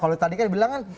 kalau tadi kan bilang kan